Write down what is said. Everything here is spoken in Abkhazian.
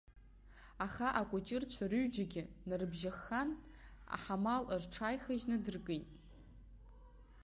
Аха акәычырцәа рҩыџьегьы нарыбжьаххын, аҳамал рҽааихажьны дыркит.